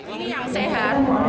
ini yang sehat